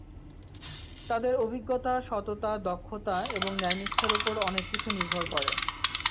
তাঁদের অভিজ্ঞতা, সততা, দক্ষতা এবং ন্যায়নিষ্ঠার ওপর অনেক কিছু নির্ভর করে।